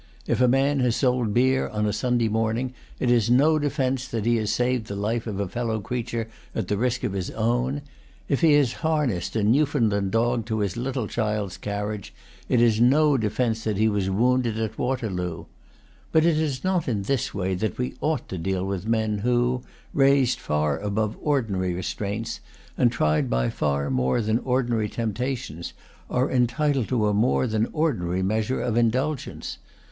If a man has sold beer on a Sunday morning, it is no defence that he has saved the life of a fellow creature at the risk of his own. If he has harnessed a Newfoundland dog to his little child's carriage, it is no defence that he was wounded at Waterloo. But it is not in this way that we ought to deal with men who, raised far above ordinary restraints, and tried by far more than ordinary temptations, are entitled to a more than ordinary measure of indulgence.